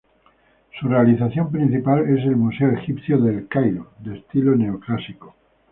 Su realización principal es el Museo Egipcio de El Cairo, de estilo Neoclásico.